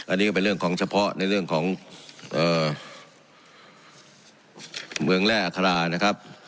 อันนี้ก็เป็นเรื่องของเฉพาะในเรื่องของเมืองแร่อัครานะครับ